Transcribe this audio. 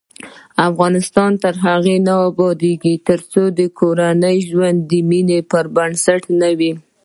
افغانستان تر هغو نه ابادیږي، ترڅو کورنی ژوند د مینې پر بنسټ نه وي.